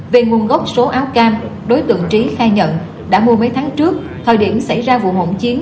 về nguồn gốc số áo cam đối tượng trí khai nhận đã mua mấy tháng trước thời điểm xảy ra vụ hỗn chiến